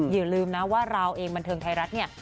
อย่าลืมนะว่าเราเองบันเทิงไทยรัฐเนี่ย